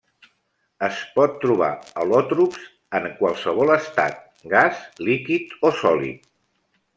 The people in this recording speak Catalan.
Es pot trobar al·lòtrops en qualsevol estat; gas, líquid o sòlid.